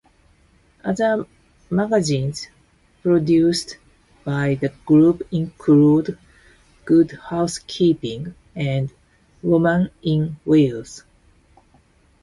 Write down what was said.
Other magazines produced by the group included "Good Housekeeping" and "Women on Wheels".